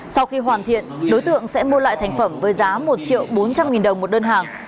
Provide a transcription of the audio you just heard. sau khi hoàn thiện đối tượng sẽ mua lại thành phẩm với giá một triệu bốn trăm linh nghìn đồng một đơn hàng